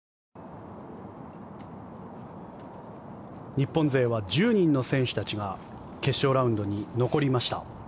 日本勢は１０人の選手たちが決勝ラウンドに残りました。